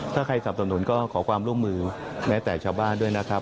ถ้าใครสับสนุนก็ขอความร่วมมือแม้แต่ชาวบ้านด้วยนะครับ